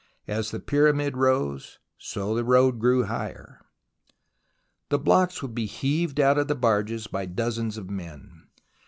As the Pyramid rose, so the road grew higher. The blocks would be heaved out of the barges by dozens of men.